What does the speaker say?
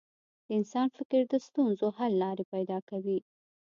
د انسان فکر د ستونزو حل لارې پیدا کوي.